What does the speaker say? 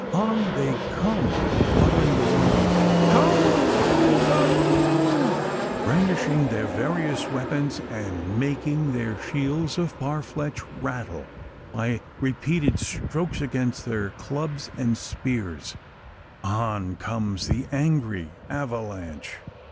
On they come, uttering their wild "Howgh owgh aloo!" brandishing their various weapons, and making their shields of parfleche rattle by repeated strokes against their clubs and spears on comes the angry avalanche!